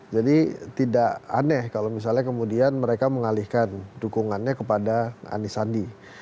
jadi tidak aneh kalau misalnya kemudian mereka mengalihkan dukungannya kepada anisandi